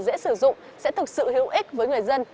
sử lý nước đơn giản và dễ sử dụng sẽ thực sự hữu ích với người dân